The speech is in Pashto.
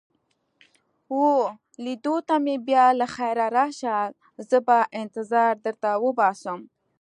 وه لیدو ته مې بیا له خیره راشه، زه به انتظار در وباسم.